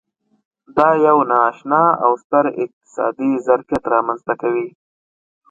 دا یو نا اشنا او ستر اقتصادي ظرفیت رامنځته کوي.